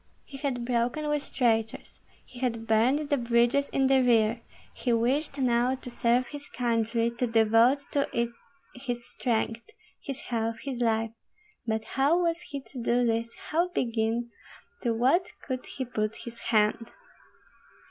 He had broken with traitors, he had burned the bridges in the rear, he wished now to serve his country, to devote to it his strength, his health, his life; but how was he to do this, how begin, to what could he put his hand?